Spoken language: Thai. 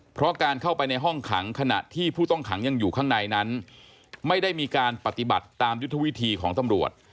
เพราะการเข้าไปในห้องขังขณะที่ผู้ต้องขังยังอยู่ข้างในนั้นไม่ได้มีการปฏิบัติตามยุทธวิธีของตำรวจ